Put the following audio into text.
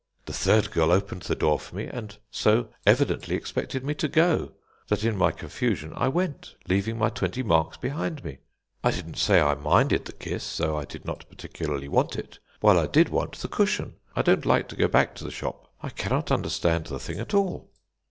The third girl opened the door for me, and so evidently expected me to go, that in my confusion I went, leaving my twenty marks behind me. I don't say I minded the kiss, though I did not particularly want it, while I did want the cushion. I don't like to go back to the shop. I cannot understand the thing at all."